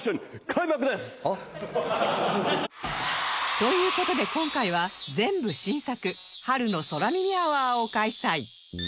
という事で今回は全部新作春の空耳アワーを開催